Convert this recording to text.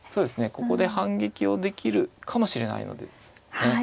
ここで反撃をできるかもしれないのでね。